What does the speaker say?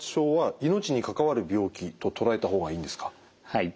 はい。